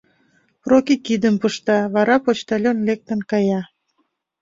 Проки кидым пышта, вара почтальон лектын кая.